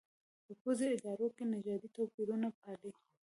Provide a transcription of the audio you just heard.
په پوځي ادارو کې نژادي توپېرونه پالي.